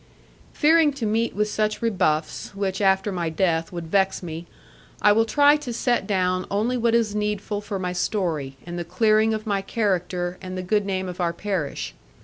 Fearing to meet with such rebuffs (which after my death would vex me), I will try to set down only what is needful for my story, and the clearing of my character, and the good name of our parish.